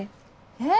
えっ？